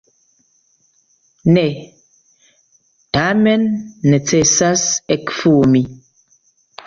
Ne, tamen necesas ekfumi.